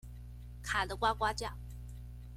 卡得呱呱叫